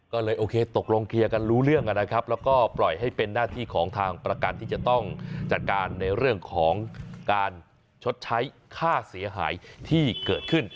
ก็เลยโอเคตกลงเคลียร์กันรู้เรื่องนะครับแล้วก็ปล่อยให้เป็นหน้าที่ของทางประกันที่จะต้องจัดการในเรื่องของการชดใช้ค่าเสียหายที่เกิดขึ้น